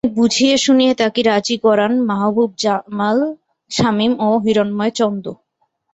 অনেক বুঝিয়ে শুনিয়ে তাঁকে রাজি করান মাহবুব জামাল শামিম ও হিরণ্ময় চন্দ।